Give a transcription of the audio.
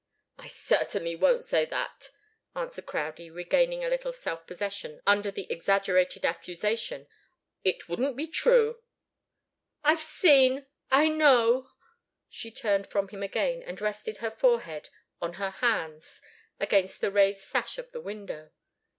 "I certainly won't say that," answered Crowdie, regaining a little self possession under the exaggerated accusation. "It wouldn't be true." "I've seen I know!" She turned from him again and rested her forehead on her hands against the raised sash of the window.